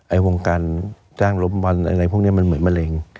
วงการจ้างล้มวันอะไรพวกนี้มันเหมือนมะเร็ง